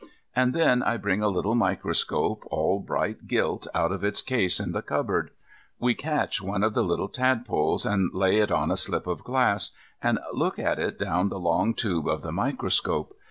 And then I bring a little microscope, all bright gilt, out of its case in the cupboard. We catch one of the little tadpoles, and lay it on a slip of glass, and look at it down the long tube of the microscope.